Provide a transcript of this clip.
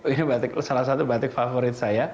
ini salah satu batik favorit saya